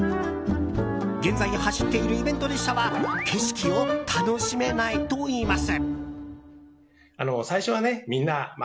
現在走っているイベント列車は景色を楽しめないといいます。